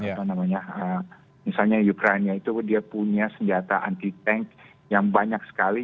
apa namanya misalnya ukraina itu dia punya senjata anti tank yang banyak sekali